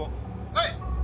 はい！